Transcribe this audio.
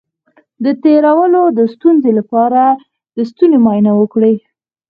د تیرولو د ستونزې لپاره د ستوني معاینه وکړئ